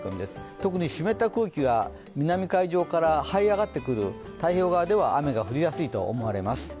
特に湿った空気が南海上からはい上がってくる、太平洋側では雨が降りやすいと思われます。